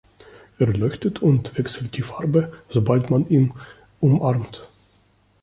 Er leuchtet und wechselt die Farbe, sobald man ihn umarmt.